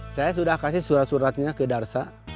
saya sudah kasih surat suratnya ke darsa